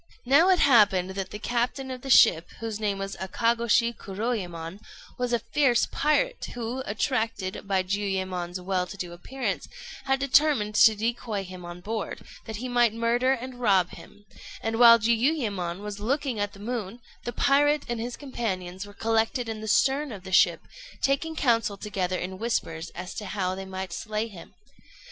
] Now it happened that the captain of the ship, whose name was Akagôshi Kuroyémon, was a fierce pirate who, attracted by Jiuyémon's well to do appearance, had determined to decoy him on board, that he might murder and rob him; and while Jiuyémon was looking at the moon, the pirate and his companions were collected in the stern of the ship, taking counsel together in whispers as to how they might slay him.